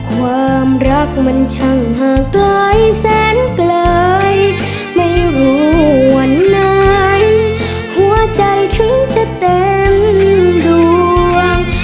ความรักมันช่างห่างไกลแสนไกลไม่ห่วงไหนหัวใจถึงจะเต็มดวง